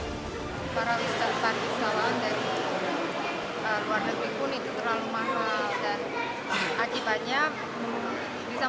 para wisatawan dari luar negeri pun itu terlalu mahal